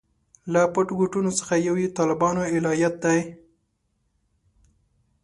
له پټو ګوټونو څخه یو یې طالبانو الهیات دي.